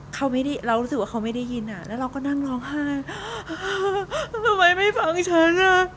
เขาไม่ได้เรารู้สึกว่าเขาไม่ได้ยินอ่ะแล้วเราก็นั่งร้องไห้ทำไมไม่ฟังฉันอ่ะ